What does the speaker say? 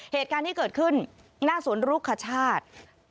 เหตุการณ์ที่เกิดขึ้นหน้าสวนรุคชาติ